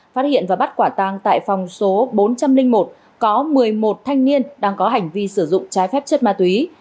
phát hiện và bắt quả tang tại phòng số bốn trăm linh một có một mươi một thanh niên đang có hành vi sử dụng trái phép chất ma túy